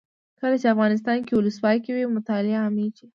کله چې افغانستان کې ولسواکي وي مطالعه عامیږي.